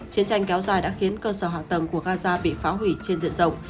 chiến tranh kéo dài đã khiến cơ sở hạ tầng của gaza bị phá hủy trên diện rộng